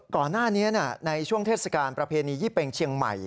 ก่อนหน้านี้ในช่วงเทศกาลประเพณียี่เป็งเชียงใหม่